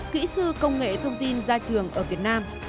kỹ sư công nghệ thông tin ra trường ở việt nam